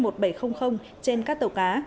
trên các tàu cá